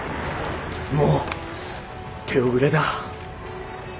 もう手遅れだ。